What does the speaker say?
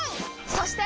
そして！